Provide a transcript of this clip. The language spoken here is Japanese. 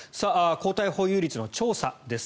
抗体保有率の調査です。